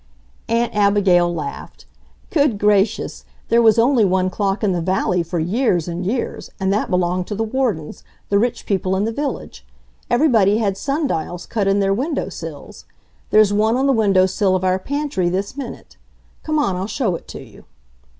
Aunt Abigail laughed. "Good gracious, there was only one clock in the valley for years and years, and that belonged to the Wardons, the rich people in the village. Everybody had sun dials cut in their window sills. There's one on the window sill of our pantry this minute. Come on, I'll show it to you."